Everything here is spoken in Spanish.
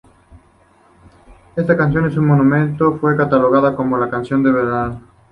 Ésta canción, en su momento, fue catalogada como "la canción del verano".